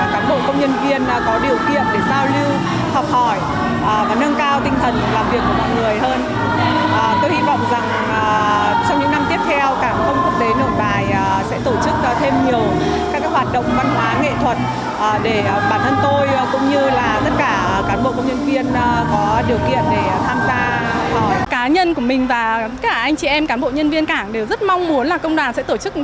cả nhân của mình và cả anh chị em cán bộ nhân viên cảng đều rất mong muốn là công đoàn sẽ tổ chức